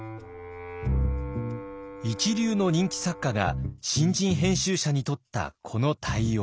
一流の人気作家が新人編集者にとったこの対応。